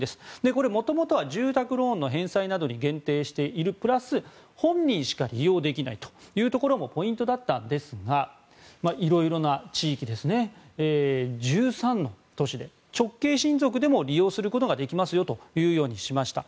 これは元々は住宅ローンの返済などに限定しているプラス本人しか利用できないというところもポイントだったんですが色々な地域ですね、１３の都市で直系親族でも利用することができますよとしました。